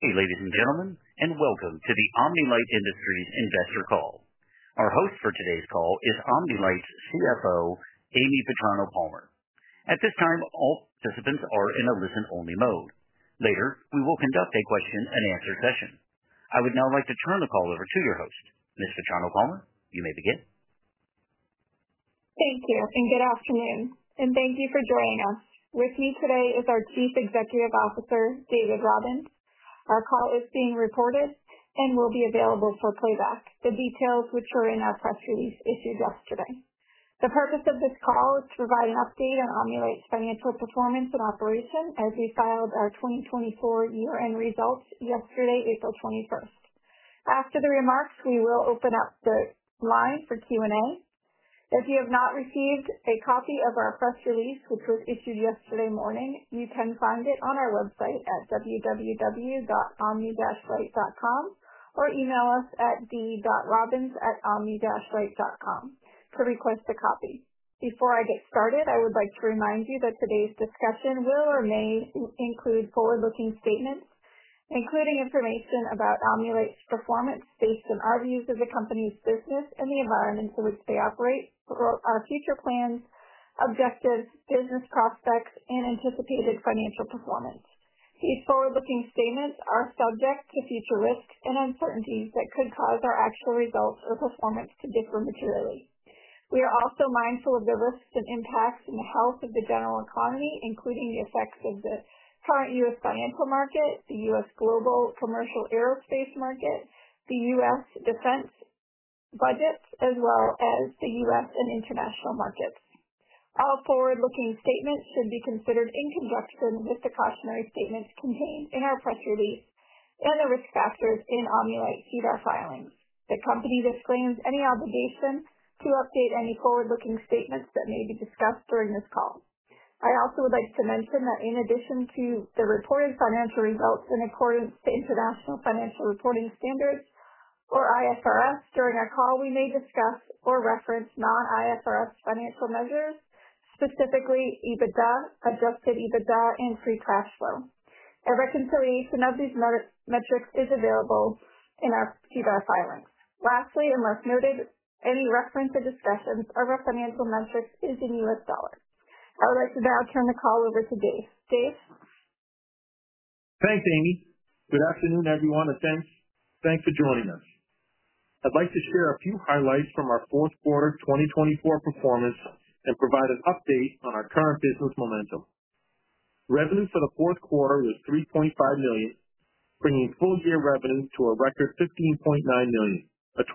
Hey, ladies and gentlemen, and welcome to the Omni-Lite Industries investor call. Our host for today's call is Omni-Lite's CFO, Amy Vetrano-Palmer. At this time, all participants are in a listen-only mode. Later, we will conduct a question-and-answer session. I would now like to turn the call over to your host, Ms. Vetrano-Palmer. You may begin. Thank you, and good afternoon. Thank you for joining us. With me today is our Chief Executive Officer, David Robbins. Our call is being recorded and will be available for playback, the details of which are in our press release issued yesterday. The purpose of this call is to provide an update on Omni-Lite's financial performance and operation as we filed our 2024 year-end results yesterday, April 21st. After the remarks, we will open up the line for Q&A. If you have not received a copy of our press release, which was issued yesterday morning, you can find it on our website at www.omnilite.com or email us at d.robbins@omni-lite.com to request a copy. Before I get started, I would like to remind you that today's discussion will include forward-looking statements, including information about Omni-Lite's performance based on our views of the company's business and the environment in which they operate, our future plans, objectives, business prospects, and anticipated financial performance. These forward-looking statements are subject to future risks and uncertainties that could cause our actual results or performance to differ materially. We are also mindful of the risks and impacts on the health of the general economy, including the effects of the current U.S. financial market, the U.S. global commercial aerospace market, the U.S. defense budgets, as well as the U.S. and international markets. All forward-looking statements should be considered in conjunction with the cautionary statements contained in our press release and the risk factors in Omni-Lite CDAR filings. The company disclaims any obligation to update any forward-looking statements that may be discussed during this call. I also would like to mention that in addition to the reported financial results in accordance to International Financial Reporting Standards, or IFRS, during our call, we may discuss or reference non-IFRS financial measures, specifically EBITDA, adjusted EBITDA, and free cash flow. A reconciliation of these metrics is available in our CDAR filings. Lastly, and less noted, any reference or discussions of our financial metrics is in U.S. dollars. I would like to now turn the call over to Dave. Dave? Thanks, Amy. Good afternoon, everyone, and thanks for joining us. I'd like to share a few highlights from our fourth quarter 2024 performance and provide an update on our current business momentum. Revenue for the fourth quarter was $3.5 million, bringing full-year revenue to a record $15.9 million, a 29%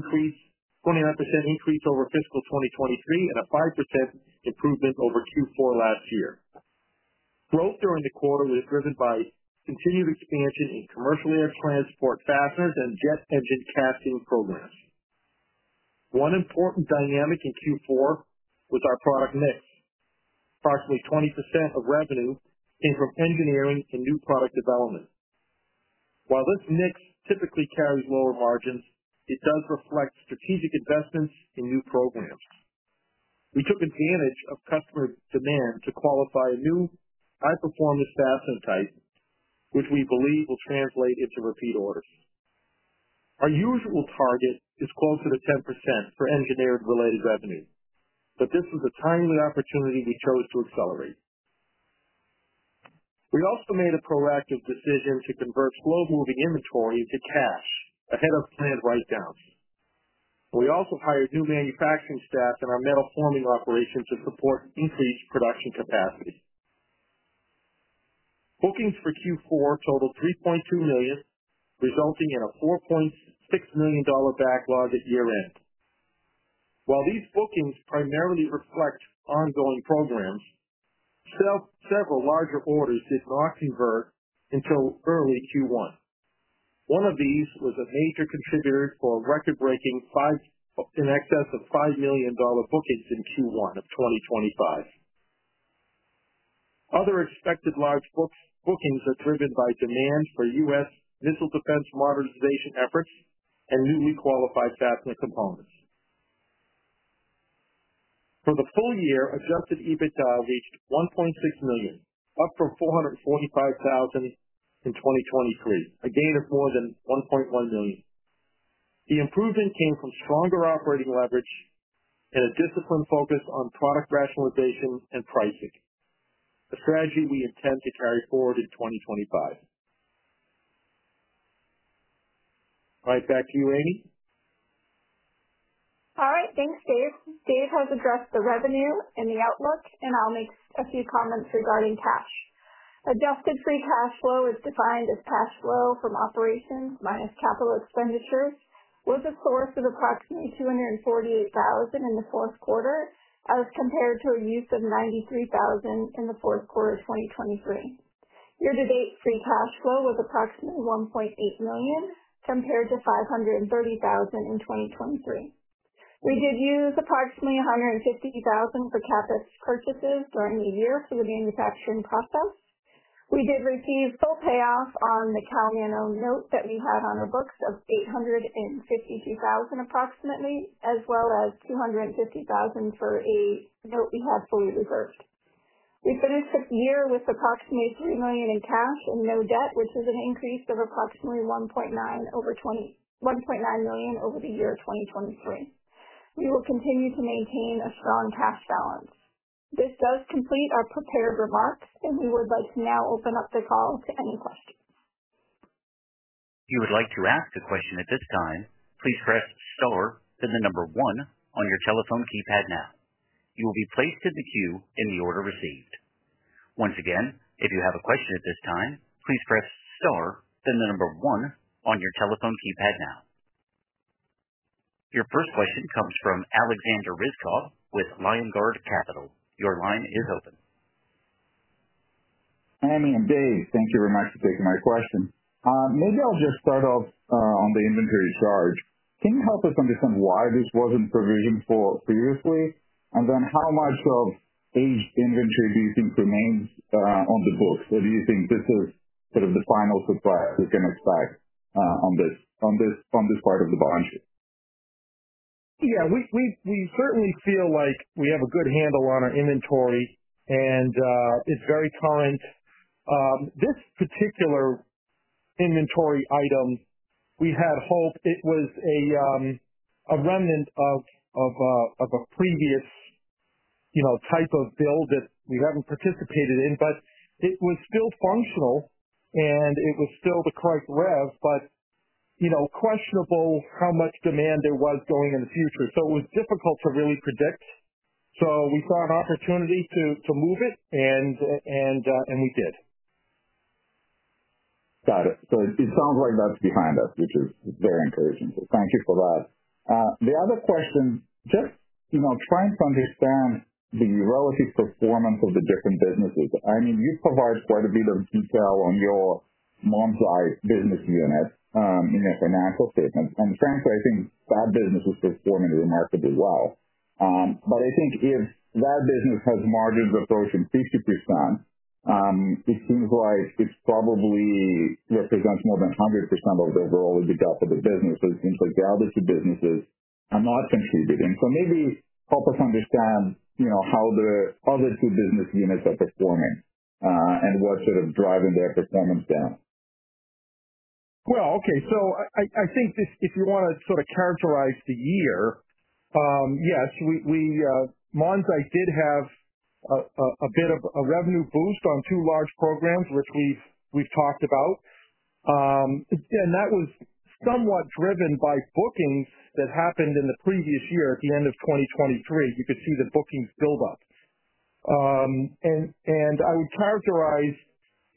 increase over fiscal 2023 and a 5% improvement over Q4 last year. Growth during the quarter was driven by continued expansion in commercial air transport fasteners and jet engine casting programs. One important dynamic in Q4 was our product mix. Approximately 20% of revenue came from engineering and new product development. While this mix typically carries lower margins, it does reflect strategic investments in new programs. We took advantage of customer demand to qualify a new high-performance fastener type, which we believe will translate into repeat orders. Our usual target is closer to 10% for engineering-related revenue, but this was a timely opportunity we chose to accelerate. We also made a proactive decision to convert slow-moving inventory to cash ahead of planned write-downs. We also hired new manufacturing staff in our metal forming operation to support increased production capacity. Bookings for Q4 totaled $3.2 million, resulting in a $4.6 million backlog at year-end. While these bookings primarily reflect ongoing programs, several larger orders did not convert until early Q1. One of these was a major contributor for a record-breaking five in excess of $5 million bookings in Q1 of 2025. Other expected large bookings are driven by demand for U.S. missile defense modernization efforts and newly qualified fastener components. For the full year, adjusted EBITDA reached $1.6 million, up from $445,000 in 2023, a gain of more than $1.1 million. The improvement came from stronger operating leverage and a discipline focused on product rationalization and pricing, a strategy we intend to carry forward in 2025. All right, back to you, Amy. All right, thanks, Dave. Dave has addressed the revenue and the outlook, and I'll make a few comments regarding cash. Adjusted free cash flow is defined as cash flow from operations minus capital expenditures, was a source of approximately $248,000 in the fourth quarter, as compared to a use of $93,000 in the fourth quarter of 2023. Year-to-date free cash flow was approximately $1.8 million, compared to $530,000 in 2023. We did use approximately $150,000 for CapEx purchases during the year for the manufacturing process. We did receive full payoff on the CalNano note that we had on our books of $852,000 approximately, as well as $250,000 for a note we had fully reserved. We finished the year with approximately $3 million in cash and no debt, which is an increase of approximately $1.9 million over the year 2023. We will continue to maintain a strong cash balance. This does complete our prepared remarks, and we would like to now open up the call to any questions. If you would like to ask a question at this time, please press star, then the number one on your telephone keypad now. You will be placed in the queue in the order received. Once again, if you have a question at this time, please press star, then the number one on your telephone keypad now. Your first question comes from Alexandre Ryzhikov with LionGuard Capital. Your line is open. Hi, Amy and Dave. Thank you very much for taking my question. Maybe I'll just start off on the inventory charge. Can you help us understand why this wasn't provisioned for previously, and then how much of aged inventory do you think remains on the books, or do you think this is sort of the final supply we can expect on this part of the balance sheet? Yeah, we certainly feel like we have a good handle on our inventory, and it's very current. This particular inventory item, we had hope it was a remnant of a previous type of build that we haven't participated in, but it was still functional, and it was still the correct rev, but questionable how much demand there was going in the future. It was difficult to really predict. We saw an opportunity to move it, and we did. Got it. It sounds like that's behind us, which is very encouraging. Thank you for that. The other question, just trying to understand the relative performance of the different businesses. I mean, you provide quite a bit of detail on your Monzite business unit in your financial statements, and frankly, I think that business is performing remarkably well. I think if that business has margins approaching 50%, it seems like it probably represents more than 100% of the overall EBITDA for the business. It seems like the other two businesses are not contributing. Maybe help us understand how the other two business units are performing and what's sort of driving their performance down. I think if you want to sort of characterize the year, yes, Monzite did have a bit of a revenue boost on two large programs, which we've talked about. That was somewhat driven by bookings that happened in the previous year at the end of 2023. You could see the bookings build up. I would characterize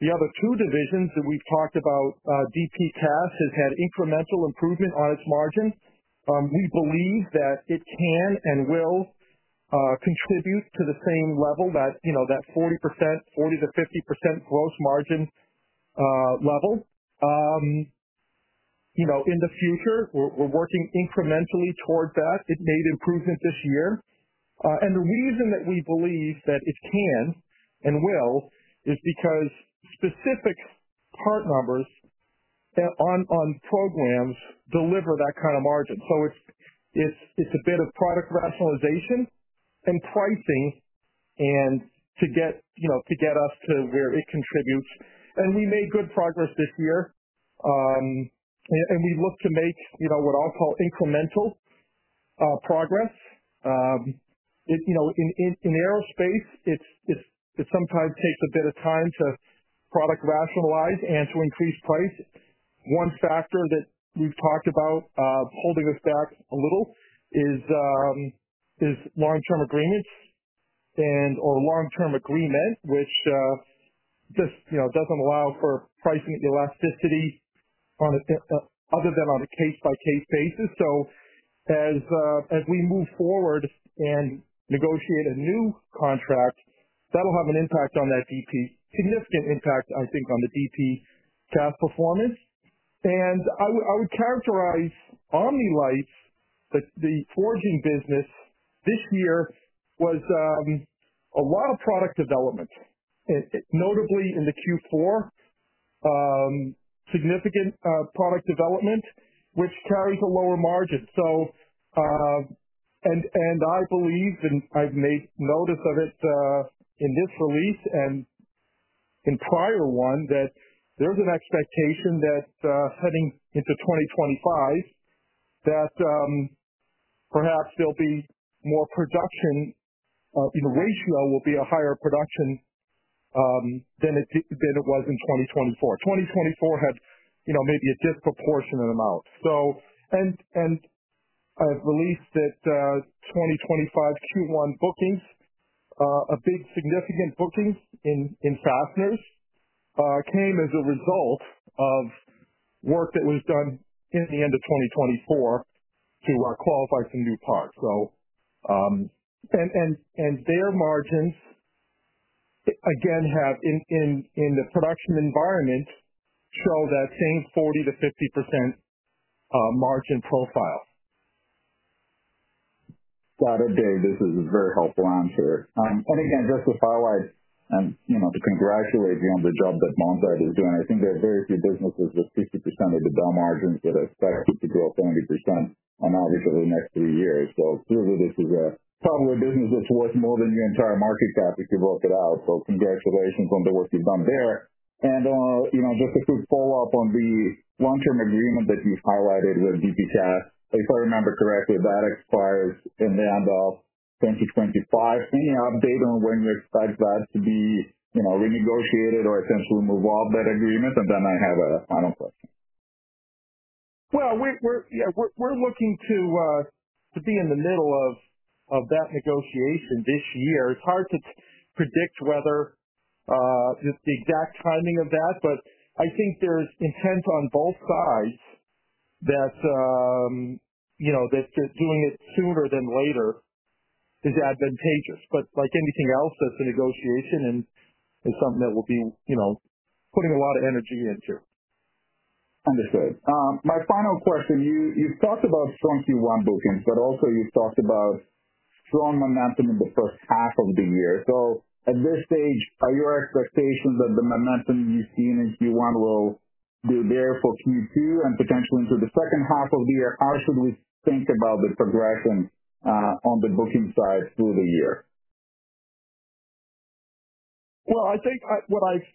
the other two divisions that we've talked about. DPCAS has had incremental improvement on its margin. We believe that it can and will contribute to the same level, that 40%-50% gross margin level. In the future, we're working incrementally toward that. It made improvement this year. The reason that we believe that it can and will is because specific part numbers on programs deliver that kind of margin. It is a bit of product rationalization and pricing to get us to where it contributes. We made good progress this year, and we look to make what I'll call incremental progress. In aerospace, it sometimes takes a bit of time to product rationalize and to increase price. One factor that we've talked about holding us back a little is long-term agreements or long-term agreement, which just doesn't allow for pricing elasticity other than on a case-by-case basis. As we move forward and negotiate a new contract, that'll have an impact on that DP, significant impact, I think, on the DPCAS performance. I would characterize Omni-Lite's forging business this year was a lot of product development, notably in the Q4, significant product development, which carries a lower margin. I believe, and I've made notice of it in this release and in prior one, that there's an expectation that heading into 2025, that perhaps there'll be more production and the ratio will be a higher production than it was in 2024. 2024 had maybe a disproportionate amount. I have believed that 2025 Q1 bookings, a big significant booking in fasteners, came as a result of work that was done in the end of 2024 to qualify for new parts. Their margins, again, have in the production environment show that same 40%-50% margin profile. Got it, Dave. This is a very helpful answer. Again, just to finalize and to congratulate you on the job that Monzite is doing, I think there are very few businesses with 50% EBITDA margins that are expected to grow 70% on average over the next three years. Clearly, this is probably a business that's worth more than your entire market cap if you broke it out. Congratulations on the work you've done there. Just a quick follow-up on the long-term agreement that you've highlighted with DPCAS. If I remember correctly, that expires at the end of 2025. Any update on when you expect that to be renegotiated or essentially move off that agreement? I have a final question. Yeah, we're looking to be in the middle of that negotiation this year. It's hard to predict whether the exact timing of that, but I think there's intent on both sides that doing it sooner than later is advantageous. Like anything else, that's a negotiation and is something that we'll be putting a lot of energy into. Understood. My final question. You have talked about strong Q1 bookings, but also you have talked about strong momentum in the first half of the year. At this stage, are your expectations that the momentum you have seen in Q1 will be there for Q2 and potentially into the second half of the year? How should we think about the progression on the booking side through the year? I think what I've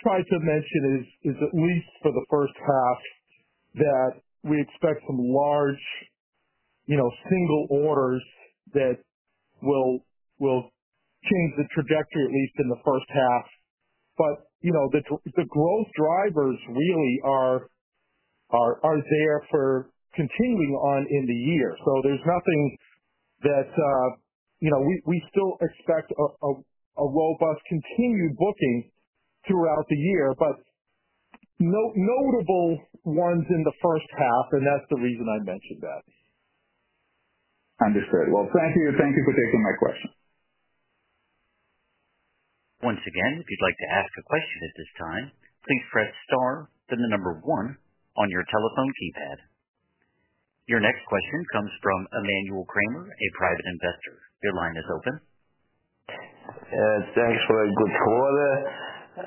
tried to mention is, at least for the first half, that we expect some large single orders that will change the trajectory at least in the first half. The growth drivers really are there for continuing on in the year. There is nothing that we still expect a robust continued booking throughout the year, but notable ones in the first half, and that's the reason I mentioned that. Understood. Thank you. Thank you for taking my question. Once again, if you'd like to ask a question at this time, please press star, then the number one on your telephone keypad. Your next question comes from Emmanuel Kramer, a private investor. Your line is open. Thanks for a good quarter.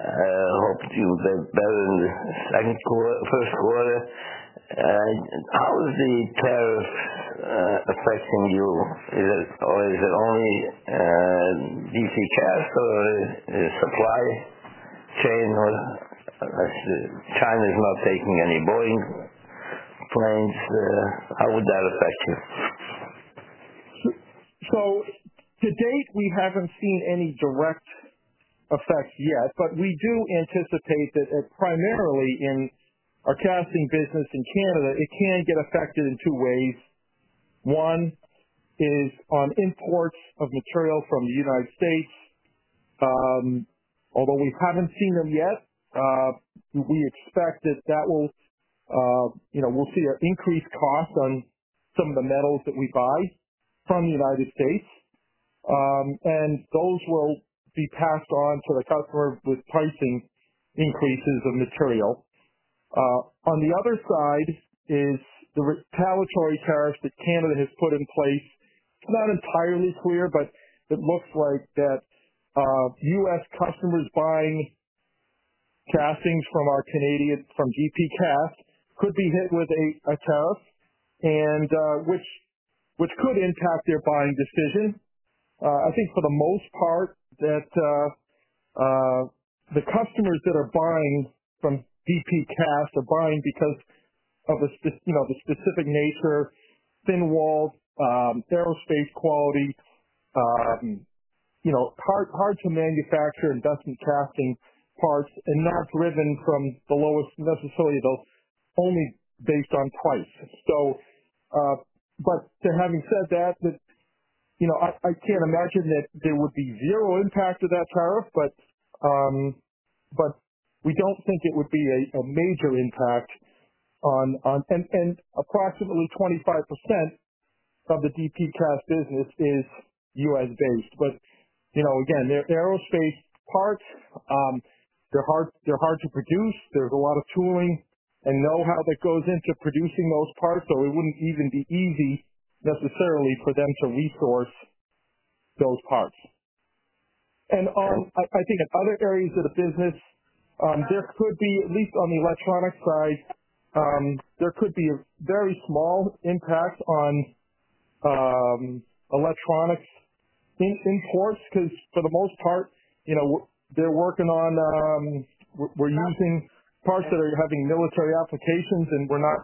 I hope you did better in the first quarter. How is the tariff affecting you? Is it only DPCAS or the supply chain? China is not taking any Boeing planes. How would that affect you? To date, we haven't seen any direct effects yet, but we do anticipate that primarily in our casting business in Canada, it can get affected in two ways. One is on imports of material from the United States. Although we haven't seen them yet, we expect that we'll see an increased cost on some of the metals that we buy from the United States. Those will be passed on to the customer with pricing increases of material. On the other side is the retaliatory tariffs that Canada has put in place. It's not entirely clear, but it looks like that U.S. customers buying castings from DPCAS could be hit with a tariff, which could impact their buying decision. I think for the most part that the customers that are buying from DPCAS are buying because of the specific nature, thin-walled aerospace quality, hard-to-manufacture industrial casting parts, and not driven from the lowest necessarily, though only based on price. Having said that, I can't imagine that there would be zero impact of that tariff, but we don't think it would be a major impact on. Approximately 25% of the DPCAS business is U.S.-based. Again, they're aerospace parts. They're hard to produce. There's a lot of tooling and know-how that goes into producing those parts. It wouldn't even be easy necessarily for them to resource those parts. I think in other areas of the business, there could be, at least on the electronics side, there could be a very small impact on electronics imports because for the most part, they're working on, we're using parts that are having military applications, and we're not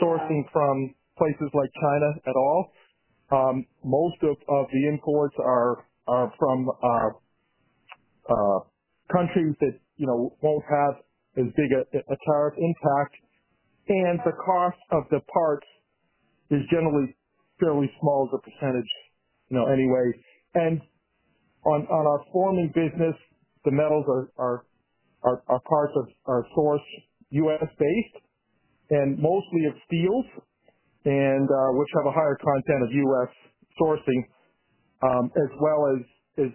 sourcing from places like China at all. Most of the imports are from countries that will not have as big a tariff impact. The cost of the parts is generally fairly small as a percentage anyway. On our forming business, the metals are parts that are sourced U.S.-based and mostly of steels, which have a higher content of U.S. sourcing, as well as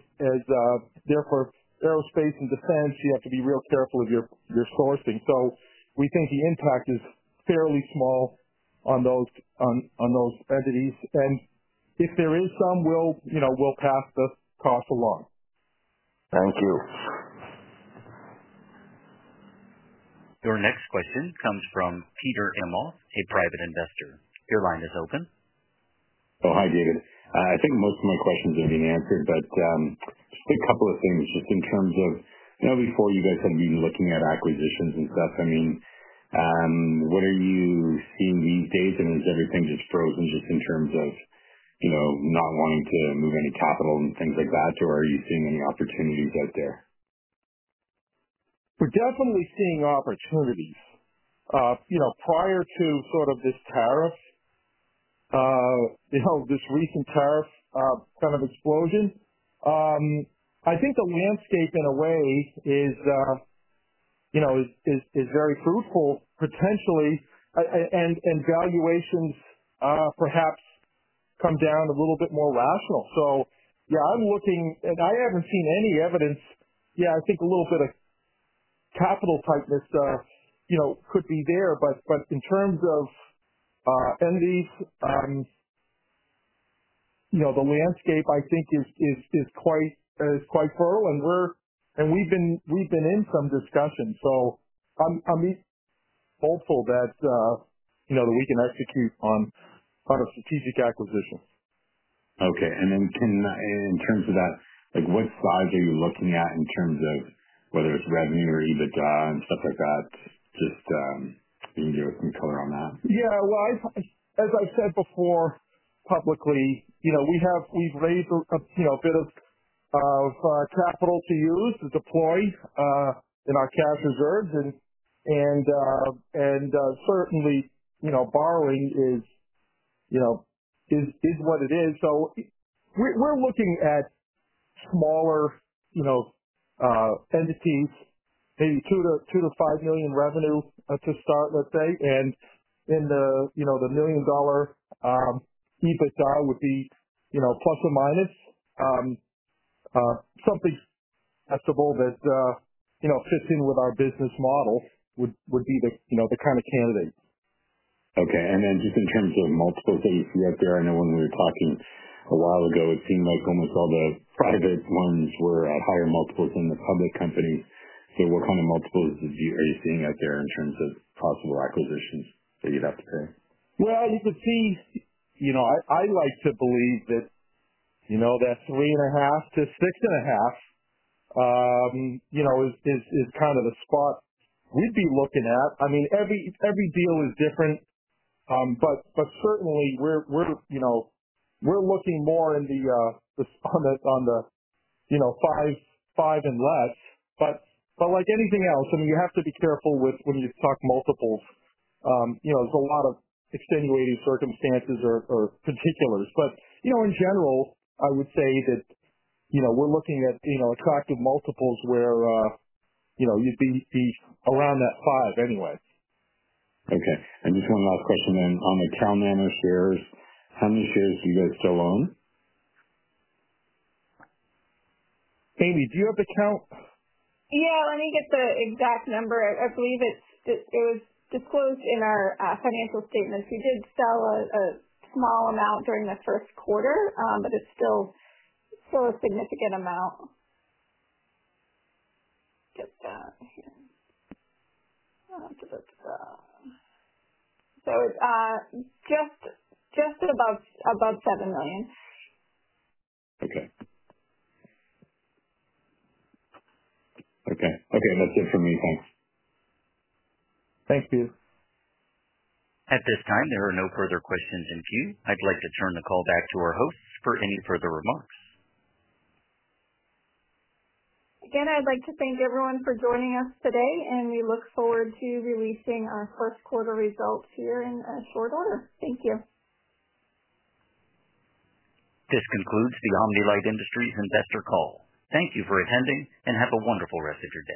therefore aerospace and defense. You have to be real careful of your sourcing. We think the impact is fairly small on those entities. If there is some, we'll pass the cost along. Thank you. Your next question comes from Peter Emmo, a private investor. Your line is open. Oh, hi, David. I think most of my questions have been answered, but just a couple of things just in terms of before you guys had been looking at acquisitions and stuff. I mean, what are you seeing these days? I mean, is everything just frozen just in terms of not wanting to move any capital and things like that? Or are you seeing any opportunities out there? We're definitely seeing opportunities. Prior to sort of this tariff, this recent tariff kind of explosion, I think the landscape in a way is very fruitful potentially, and valuations perhaps come down a little bit more rational. Yeah, I'm looking, and I haven't seen any evidence. I think a little bit of capital tightness could be there. In terms of entities, the landscape I think is quite fertile, and we've been in some discussion. I'm hopeful that we can execute on a strategic acquisition. Okay. In terms of that, what size are you looking at in terms of whether it's revenue or EBITDA and stuff like that? Just if you can give us some color on that. Yeah. As I've said before publicly, we've raised a bit of capital to use, to deploy in our cash reserves. Certainly, borrowing is what it is. We're looking at smaller entities, maybe $2 million-$5 million revenue to start, let's say. In the $1 million EBITDA would be plus or minus. Something accessible that fits in with our business model would be the kind of candidate. Okay. In terms of multiples that you see out there, I know when we were talking a while ago, it seemed like almost all the private ones were at higher multiples than the public companies. What kind of multiples are you seeing out there in terms of possible acquisitions that you'd have to pay? You could see I like to believe that that three and a half to six and a half is kind of the spot we'd be looking at. I mean, every deal is different, but certainly, we're looking more on the five and less. Like anything else, I mean, you have to be careful when you talk multiples. There's a lot of extenuating circumstances or particulars. In general, I would say that we're looking at attractive multiples where you'd be around that five anyway. Okay. Just one last question then. On the CalNano shares, how many shares do you guys still own? Amy, do you have the count? Yeah. Let me get the exact number. I believe it was disclosed in our financial statements. We did sell a small amount during the first quarter, but it's still a significant amount. Just that here. It is just above $7 million. Okay. Okay. Okay. That's it for me. Thanks. Thank you. At this time, there are no further questions in queue. I'd like to turn the call back to our hosts for any further remarks. Again, I'd like to thank everyone for joining us today, and we look forward to releasing our first quarter results here in a short order. Thank you. This concludes the Omni-Lite Industries investor call. Thank you for attending and have a wonderful rest of your day.